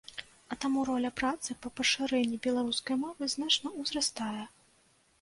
А таму роля працы па пашырэнні беларускай мовы значна ўзрастае.